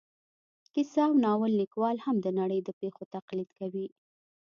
کیسه او ناول لیکوال هم د نړۍ د پېښو تقلید کوي